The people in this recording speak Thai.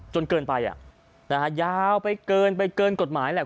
จนเกินไปอ่ะนะฮะยาวไปเกินกฎหมายแหละ